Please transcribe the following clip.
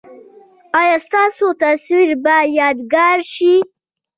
ایا ستاسو تصویر به یادګار شي؟